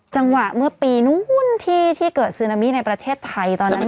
จังหวะเมื่อปีนู้นที่เกิดซึนามิในประเทศไทยตอนนั้น